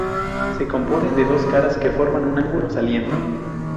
Se compone de dos caras que forman un ángulo saliente.